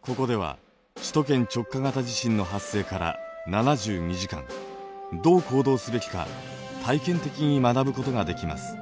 ここでは首都圏直下型地震の発生から７２時間どう行動すべきか体験的に学ぶことができます。